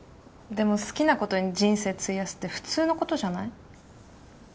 でも好きなことに人生費やすって普通のことじゃない？